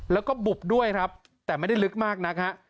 แล้วก็บุบด้วยครับแต่ไม่ได้ลึกมากนักฮะ